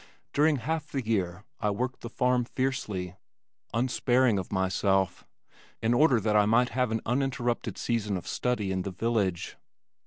During half the year I worked on the farm fiercely, unsparing of myself, in order that I might have an uninterrupted season of study in the village.